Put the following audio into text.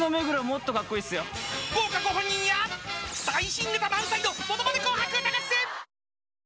豪華ご本人や最新ネタ満載の「ものまね紅白歌合戦」。